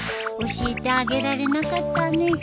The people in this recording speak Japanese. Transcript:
教えてあげられなかったね。